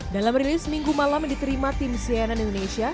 dalam rilis minggu malam diterima tim cnn indonesia